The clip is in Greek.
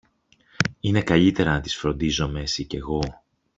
είναι καλύτερα να τις φροντίζομε εσυ κι εγώ